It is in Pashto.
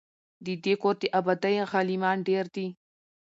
د دې کور د آبادۍ غلیمان ډیر دي